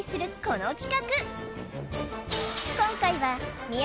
この企画